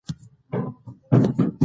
ژوند همداسې تېرېږي.